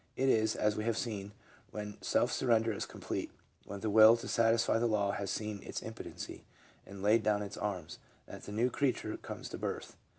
It is, as we have seen, when self surrender is complete, when the will to satisfy the law has seen its impotency and laid down its arms, that the Dew creature comes to birth.